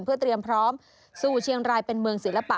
เพื่อเตรียมพร้อมสู้เชียงรายเป็นเมืองศิลปะ